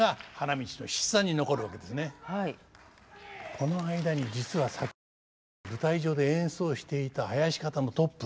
この間に実は先ほどまで舞台上で演奏していた囃子方のトップ